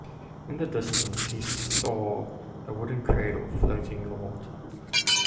In the distance he saw a wooden cradle floating on the water.